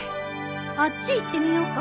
あっち行ってみようか。